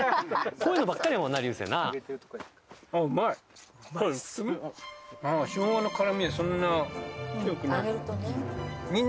こういうのばっかりやもんな流星なあ揚げるとね